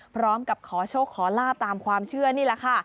พร้อมกับขอโชคขอลาบตามความเชื่อนี่แหละค่ะ